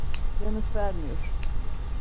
Yanıt vermiyor.